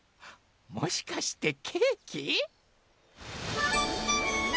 もしかしてケーキ？